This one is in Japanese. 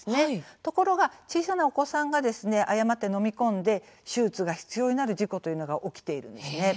ところが小さなお子さんが誤って飲み込んで手術が必要になる事故というのが起きているんですね。